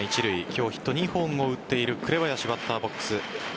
今日、ヒット２本を打っている紅林、バッターボックス。